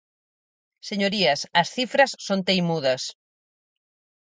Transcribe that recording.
Señorías, as cifras son teimudas.